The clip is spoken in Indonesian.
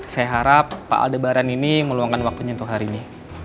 saya harap pak al debaran ini meluangkan waktunya untuk hari ini